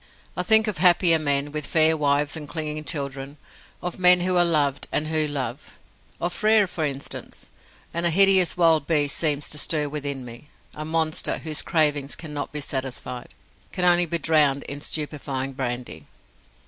I think of happier men, with fair wives and clinging children, of men who are loved and who love, of Frere for instance and a hideous wild beast seems to stir within me, a monster, whose cravings cannot be satisfied, can only be drowned in stupefying brandy.